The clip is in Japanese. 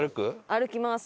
歩きます。